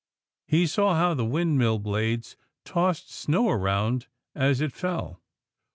He saw how the windmill blades tossed snow around as it fell.